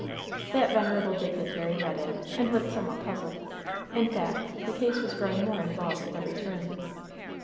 That venerable dignitary read it, and looked some what puzzled. In fact, the case was growing more in volved at every turn.